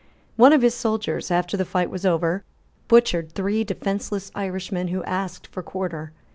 One of his soldiers, after the fight was over, butchered three defenceless Irishmen who asked for quarter.